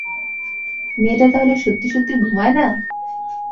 মেয়েটা তাহলে সত্যি-সত্যি ঘুমায় না?